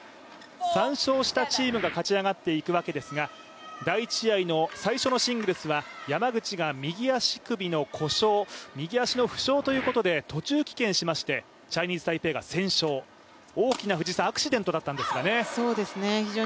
３勝したチームが勝ち上がっていくわけですが第１試合の最初のシングルスが山口茜が右足首の故障、右足の負傷ということで途中棄権しましてチャイニーズ・タイペイが先勝、大きなアクシデントだったんですけども。